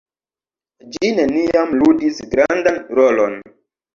Ĝi neniam ludis grandan rolon.